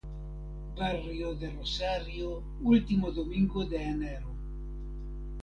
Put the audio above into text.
Barrio de Rosario último domingo de enero.